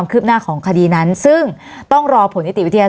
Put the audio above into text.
วันนี้แม่ช่วยเงินมากกว่า